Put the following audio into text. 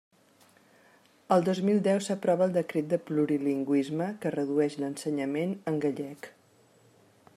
El dos mil deu s'aprova el Decret de plurilingüisme, que redueix l'ensenyament en gallec.